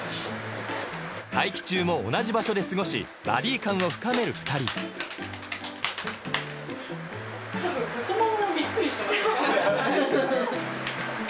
待機中も同じ場所で過ごしバディ感を深める２人多分。